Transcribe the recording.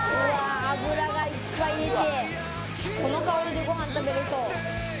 脂がいっぱい出て、この香りでご飯食べれそう。